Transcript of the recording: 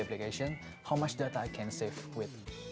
apakah saya bisa menghemat data dengan aplikasi itu